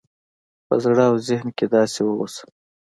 په زړه او ذهن کې داسې واوسه